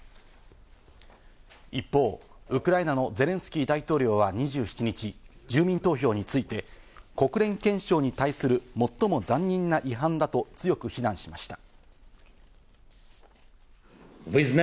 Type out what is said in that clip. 一方、ウクライナのゼレンスキー大統領は２７日、住民投票について国連憲章に対する最も残忍な違反だと強く非難しました。